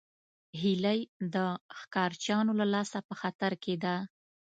هیلۍ د ښکارچیانو له لاسه په خطر کې ده